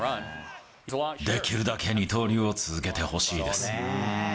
できるだけ二刀流を続けてほしいです。